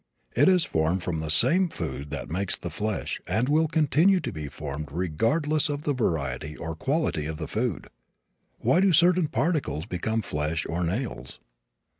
It is formed from the same food that makes the flesh and it will continue to be formed regardless of the variety or quality of the food. Why do certain particles become flesh or nails?